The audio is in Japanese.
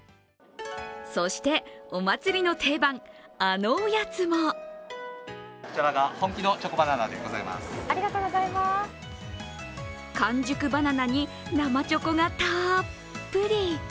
そしてお祭の定番、あのおやつも完熟バナナに生チョコがたっぷり。